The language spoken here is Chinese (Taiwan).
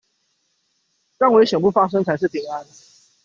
讓危險不發生才是平安